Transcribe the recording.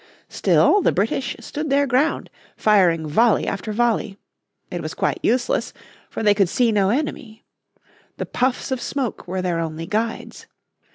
Still the British stood their ground firing volley after volley. It was quite useless, for they could see no enemy. The puffs of smoke were their only guides.